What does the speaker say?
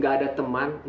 saya sudah berkembang